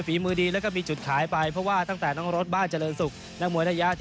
เป้าหมายเหมือนจริวนะครับ